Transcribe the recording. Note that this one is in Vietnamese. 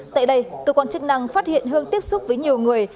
tại đây tựa con chức năng phát hiện hương tiếp xúc với nhiều người